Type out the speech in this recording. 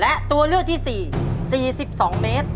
แล้วจะเลือกเรื่องไหนให้ปูชัยขึ้นมาตอบลูก